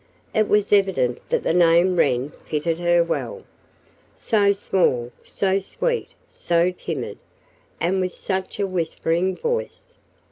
It was evident that the name Wren fitted her well so small, so sweet, so timid, and with such a whispering voice!